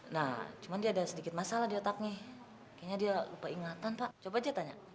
nah cuma dia ada sedikit masalah di otaknya kayaknya dia lupa ingatan pak coba dia tanya